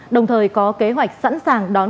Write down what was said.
đồng thời có kế hoạch sẵn sàng đón